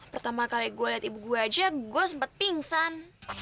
pertama kali gue liat ibu gue aja gue sempat pingsan